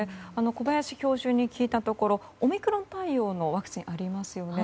小林教授に聞いたところオミクロン対応のワクチンありますよね。